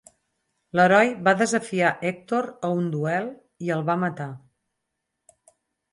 L'heroi va desafiar Hèctor a un duel i el va matar.